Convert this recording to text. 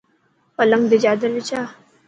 پلنگ تي چادر وڇا.